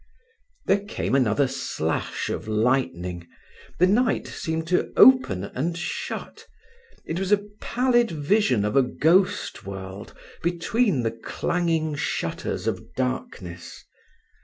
There came another slash of lightning. The night seemed to open and shut. It was a pallid vision of a ghost world between the clanging shutters of darkness.